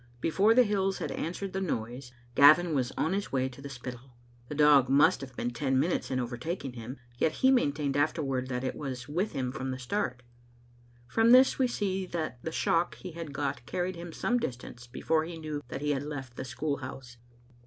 Before the hills had answered the noise, Gavin was on his way to the Spittal. The dog must have been ten minutes in overtaking him, yet he maintained afterward that it was with him from the start. From this we see that, the shock he had got carried him some distance before he knew that he had left the school house.